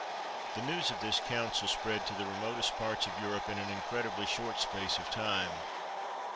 '" The news of this council spread to the remotest parts of Europe in an incredibly short space of time.